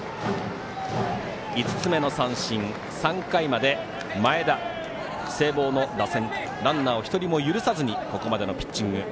５つ目の三振、３回まで前田聖望の打線ランナーを１人も許さずにここまでのピッチング。